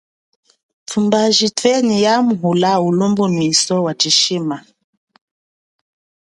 Tumbaji twenyi yaamuhula ulumbunwiso wa chishima.